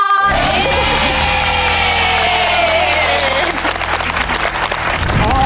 ขอบคุณครับ